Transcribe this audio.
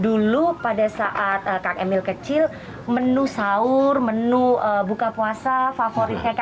dulu pada saat kang emil kecil menu sahur menu buka puasa favoritnya